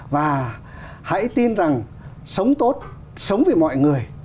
và hãy tin rằng sống tốt sống vì mọi người